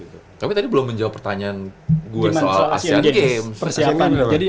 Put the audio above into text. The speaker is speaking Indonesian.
tapi tadi belum menjawab pertanyaan gue soal asean games